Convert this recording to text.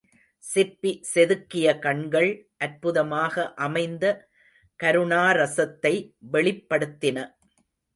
சிற்பி செதுக்கிய கண்கள், அற்புதமாக அமைந்த கருணாரஸத்தை வெளிப்படுத்தின.